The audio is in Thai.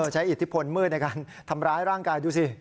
อิทธิพลมืดในการทำร้ายร่างกายดูสิ